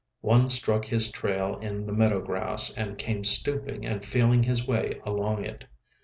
One struck his trail in the meadow grass and came stooping and feeling his way along it.